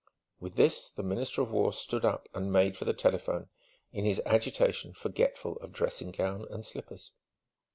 With this the Minister of War stood up and made for the telephone, in his agitation forgetful of dressing gown and slippers.